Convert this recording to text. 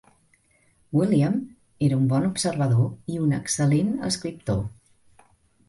William era un bon observador i un excel·lent escriptor.